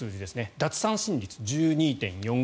奪三振率１２．４５。